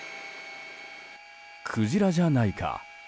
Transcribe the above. クジラじゃないか。